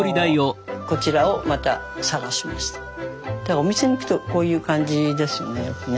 お店に行くとこういう感じですよねよくね。